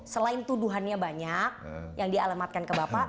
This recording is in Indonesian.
selain tuduhannya banyak yang dialamatkan ke bapak